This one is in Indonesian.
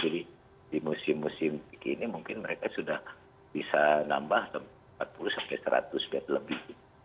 jadi di musim musim kini mungkin mereka sudah bisa nambah empat puluh seratus bed lebih